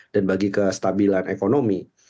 dan bagi kestabilan ekonomi